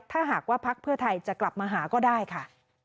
ถ้าหากว่าพักเพื่อไทยจะกลับมาหาก็ได้ค่ะ